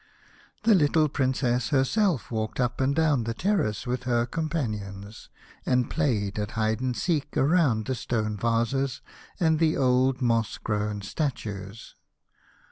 The little Princess herself walked up and down the terrace with her companions, and played at hide and seek round the stone vases and the old moss grown statues.